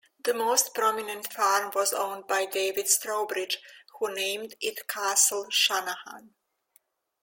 The most prominent farm was owned by David Strawbridge, who named it Castle Shanahan.